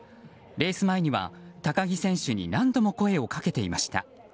レース前には高木選手に何度も声をかけていました。